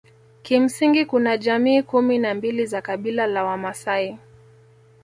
Kimsingi kuna jamii kumi na mbili za kabila la Wamasai